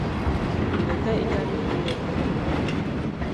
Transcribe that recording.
Үлергә икән — үлербеҙ.